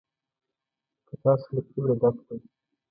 که تاسو له کبره ډک وئ.